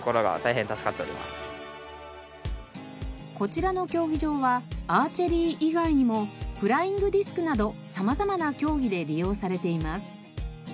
こちらの競技場はアーチェリー以外にもフライングディスクなど様々な競技で利用されています。